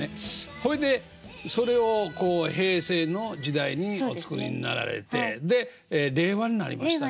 ほいでそれをこう平成の時代にお作りになられてで令和になりましたね。